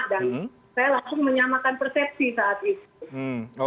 dan saya langsung menyamakan persepsi saat itu